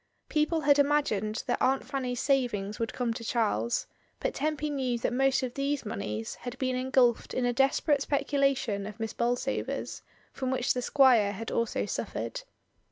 People had imagined that Aunt Fanny's savings would come to Charles, but Tempy knew that most of these moneys had been engulfed in a desperate speculation of Miss Bolsover's, from which the squire had also suffered.